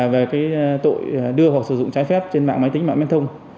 về cái tội đưa hoặc sử dụng trái phép trên mạng máy tính mạng biên thông